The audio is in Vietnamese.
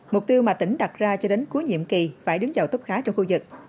mục tiêu mà tỉnh đạt ra cho đến cuối nhiệm kỳ phải đứng vào tốt khá trong khu vực